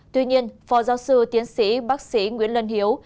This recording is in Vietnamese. tuy nhiên phó giáo sư tiến sĩ bác sĩ nguyễn lân hiếu